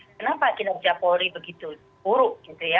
kenapa kinerja polri begitu buruk